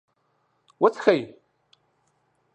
.وڅښئ